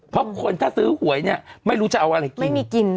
เพราะคนถ้าซื้อหวยไม่รู้จะเอาอะไรกิน